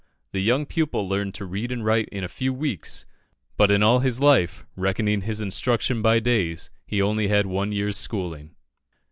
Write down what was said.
The young pupil learned to read and write in a few weeks; but in all his life, reckoning his instruction by days, he had only one year's schooling.